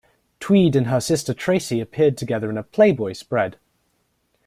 Tweed and her sister Tracy appeared together in a "Playboy" spread.